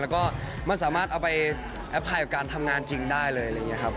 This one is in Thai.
แล้วก็มันสามารถเอาไปแอบไพกับการทำงานจริงได้เลย